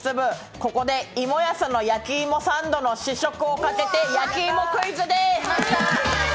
ここで芋やすの焼き芋サンドの試食をかけて焼き芋クイズです。